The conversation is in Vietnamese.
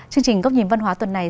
chương trình góc nhìn văn hóa tuần này